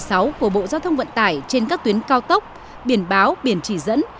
theo quy chuẩn bốn mươi một hai nghìn một mươi sáu của bộ giao thông vận tải trên các tuyến cao tốc biển báo biển chỉ dẫn